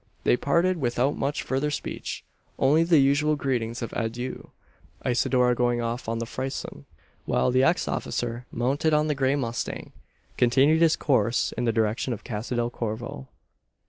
They parted without much further speech only the usual greetings of adieu Isidora going off on the frison; while the ex officer, mounted on the grey mustang, continued his course in the direction of Casa del Corvo.